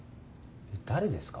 誰ですか？